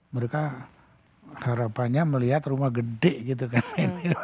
mereka harapannya melihat rumah gede gitu kan